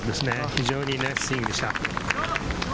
非常にいいスイングでした。